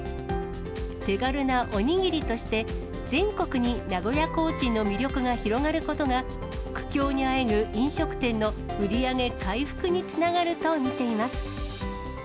手軽なおにぎりとして、全国に名古屋コーチンの魅力が広がることが、苦境にあえぐ飲食店の売り上げ回復につながると見ています。